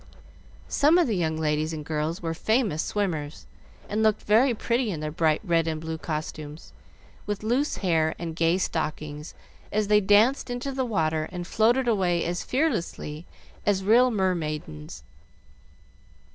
Some of the young ladies and girls were famous swimmers, and looked very pretty in their bright red and blue costumes, with loose hair and gay stockings, as they danced into the water and floated away as fearlessly as real mermaidens.